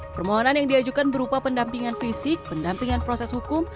permohonan yang diajukan berupa pendampingan fisik pendampingan proses hukum